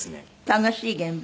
楽しい現場？